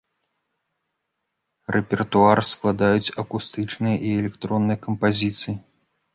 Рэпертуар складаюць акустычныя і электронныя кампазіцыі.